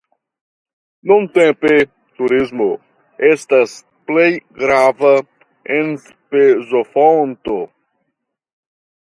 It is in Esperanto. Nuntempe turismo estas plej grava enspezofonto.